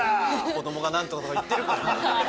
子供が何とかって言ってるから。